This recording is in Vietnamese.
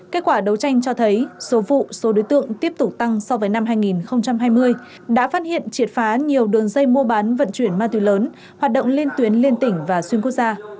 kết quả đấu tranh cho thấy số vụ số đối tượng tiếp tục tăng so với năm hai nghìn hai mươi đã phát hiện triệt phá nhiều đường dây mua bán vận chuyển ma túy lớn hoạt động lên tuyến liên tỉnh và xuyên quốc gia